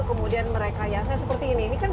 kemudian merekayasa seperti ini ini kan